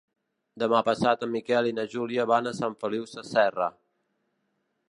Demà passat en Miquel i na Júlia van a Sant Feliu Sasserra.